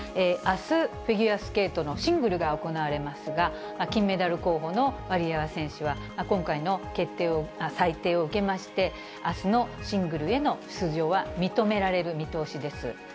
あすフィギュアスケートのシングルが行われますが、金メダル候補のワリエワ選手は、今回の裁定を受けまして、あすのシングルへの出場は認められる見通しです。